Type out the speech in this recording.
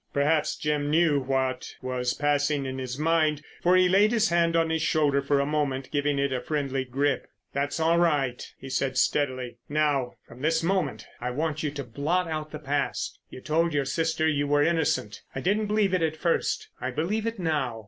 Perhaps Jim knew what was passing in his mind, for he laid his hand on his shoulder a moment, giving it a friendly grip. "That's all right," he said steadily. "Now, from this moment I want you to blot out the past. You told your sister you were innocent. I didn't believe it at first. I believe it now."